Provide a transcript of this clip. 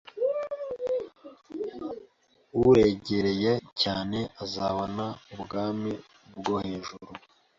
Uregereye cyane, uzabona ubwami bwo hejuru